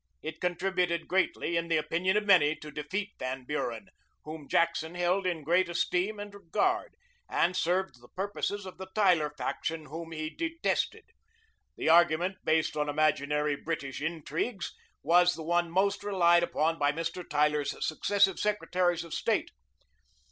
It contributed greatly, in the opinion of many, to defeat Van Buren, whom Jackson held in great esteem and regard, and served the purposes of the Tyler faction, whom he detested. The argument based on imaginary British intrigues was the one most relied upon by Mr. Tyler's successive secretaries of state.